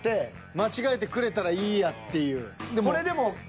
間違えてくれたらいいやっていう。